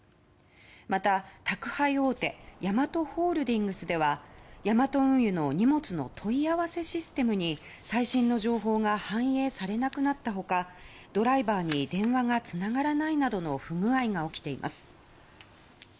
また、宅配大手ヤマトホールディングスではヤマト運輸の荷物の問い合わせシステムに最新の情報が反映されなくなった他ドライバーに電話がつながらないなどの不具合が起きています。